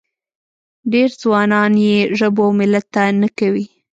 ډېر ځوانان یې ژبو او ملت ته نه کوي.